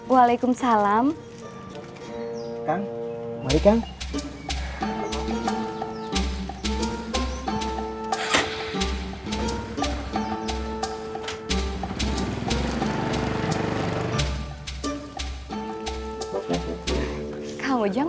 waalaikumsalam kang ujang